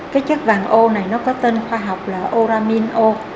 cái chất vàng ô này nó có tên khoa học là oramin o